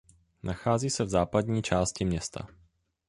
Nachází se v západní části města.